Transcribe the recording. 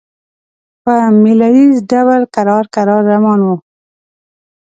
په مېله ییز ډول کرار کرار روان وو.